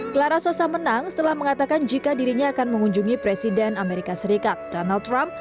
clara sosa menang setelah mengatakan jika dirinya akan mengunjungi presiden amerika serikat donald trump